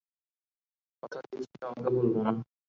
কথা দিচ্ছি কাউকে বলবো না।